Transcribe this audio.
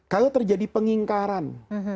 kalau terjadi pengingkaran